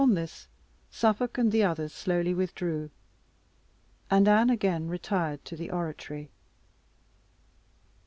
Upon this Suffolk and the others slowly withdrew, and Anne again retired to the oratory.